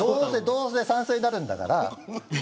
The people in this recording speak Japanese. どうせ賛成になるんだから。